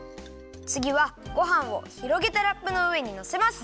つぎはごはんをひろげたラップのうえにのせます。